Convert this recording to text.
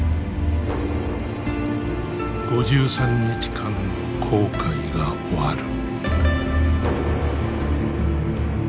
５３日間の航海が終わる。